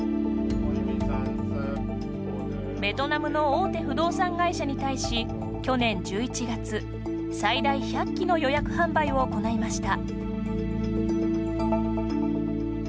ベトナムの大手不動産会社に対し去年１１月、最大１００機の予約販売を行いました。